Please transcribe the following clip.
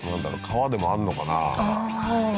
川でもあんのかな？